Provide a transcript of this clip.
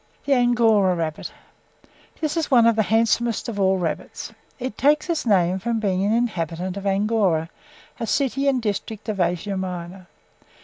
[Illustration: ANGORA RABBIT.] THE ANGORA RABBIT. This is one of the handsomest of all rabbits. It takes its name from being an inhabitant of Angora, a city and district of Asia Minor.